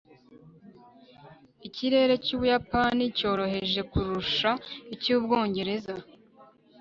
ikirere cy'ubuyapani cyoroheje kurusha icy'ubwongereza